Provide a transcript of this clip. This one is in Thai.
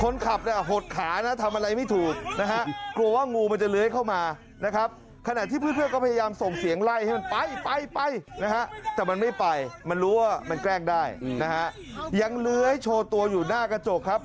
ยังเหลือให้โชว์ตัวอยู่หน้ากระจกครับ